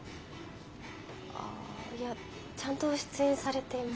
あいやちゃんと出演されています。